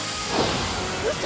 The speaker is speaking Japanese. ウソ！